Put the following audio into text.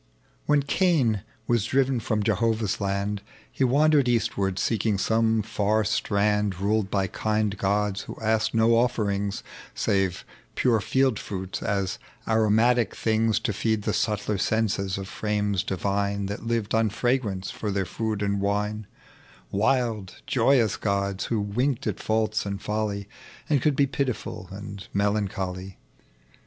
When Caiu was driven from Jehovali's land He wandered eastward, seeking some far strand Ruled by Irind gods who asked no bfferiugs Save pure fleld fruits, as aromatic things, To feed the subtler sense of frames divine That lived on fragrance for their food and wine : Wild joyous gods, who winfeed at faults and folly. And could be pitiful and melancholy.